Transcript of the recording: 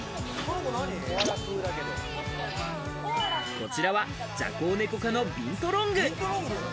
こちらは、ジャコウネコ科のビントロング。